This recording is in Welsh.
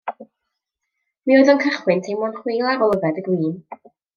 Mi oedd o'n cychwyn teimlo'n chwil ar ôl yfed y gwin.